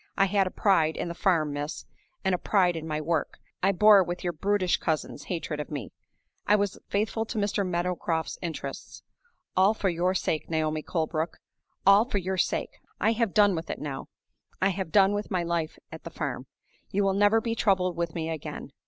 I had a pride in the farm, miss, and a pride in my work; I bore with your brutish cousins' hatred of me; I was faithful to Mr. Meadowcroft's interests; all for your sake, Naomi Colebrook all for your sake! I have done with it now; I have done with my life at the farm. You will never be troubled with me again.